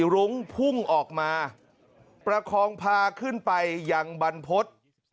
รุ้งพุ่งออกมาประคองพาขึ้นไปยังบรรพฤษ